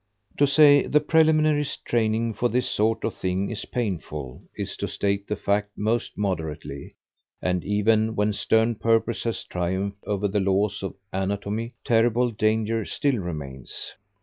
To say the preliminary training for this sort of thing is painful, is to state the fact most moderately; and even when stern purpose has triumphed over the laws of anatomy, terrible danger still remains.